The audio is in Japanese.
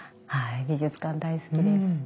はい美術館大好きです。